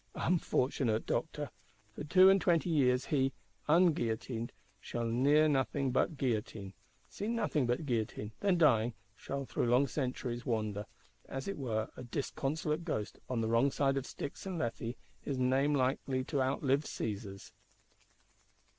Unfortunate Doctor! For two and twenty years he, unguillotined, shall hear nothing but guillotine, see nothing but guillotine; then dying, shall through long centuries wander, as it were, a disconsolate ghost, on the wrong side of Styx and Lethe; his name like to outlive Cæsar's.